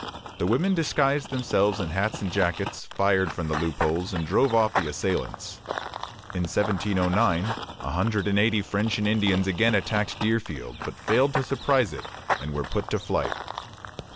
The women disguised themselves in hats and jackets, fired from the loopholes, and drove off the assailants. In 1709 a hundred and eighty French and Indians again attacked Deerfield, but failed to surprise it, and were put to flight.